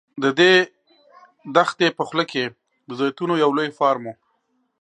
د دې دښتې په خوله کې د زیتونو یو لوی فارم و.